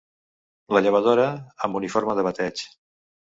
La llevadora, amb uniforme de bateig